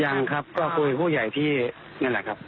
ยังครับก็คุยผู้ใหญ่ที่นั่นแหละครับ